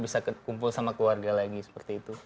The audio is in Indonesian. bisa kumpul sama keluarga lagi seperti itu